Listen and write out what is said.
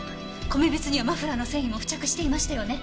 米びつにはマフラーの繊維も付着していましたよね？